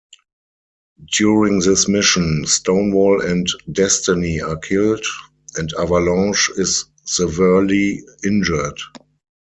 During this mission Stonewall and Destiny are killed, and Avalanche is severely injured.